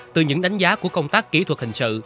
từ những đánh giá của công tác kỹ thuật hình sự